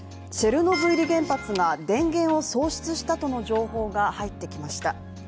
チェルノブイリ原発が電源を喪失したとの情報が入ってきました。